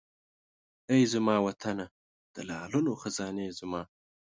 ای زما وطنه د لعلونو خزانې زما!